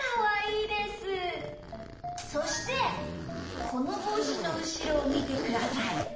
そしてこのぼうしのうしろをみてください。